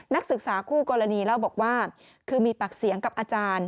นักศึกษาคู่กรณีเล่าบอกว่าคือมีปากเสียงกับอาจารย์